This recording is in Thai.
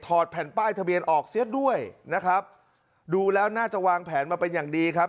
แผ่นป้ายทะเบียนออกเสียด้วยนะครับดูแล้วน่าจะวางแผนมาเป็นอย่างดีครับ